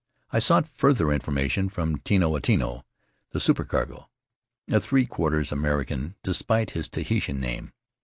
I sought further information from Tino a Tino, the supercargo, a three quarters American despite his Tahitian name.